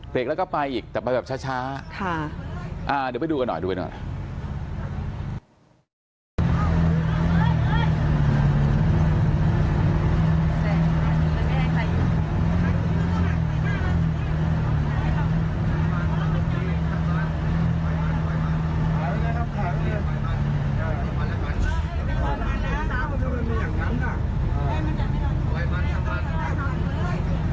กแล้วก็ไปอีกแต่ไปแบบช้าค่ะเดี๋ยวไปดูกันหน่อยดูไปหน่อย